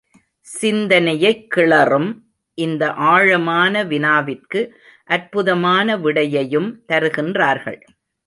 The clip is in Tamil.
சிந்தனையைக் கிளறும் இந்த ஆழமான வினாவிற்கு அற்புதமான விடையையும் தருகின்றார்கள்.